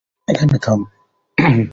এখানে থাম।